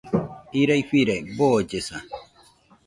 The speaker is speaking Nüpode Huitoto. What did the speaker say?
Irai firai, boollesa